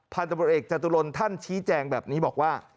พันธุบริเอกจตุรนท่านชี้แจงแบบนี้บอกว่า